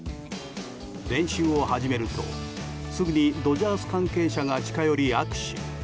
練習を始めるとすぐにドジャース関係者が近寄り握手。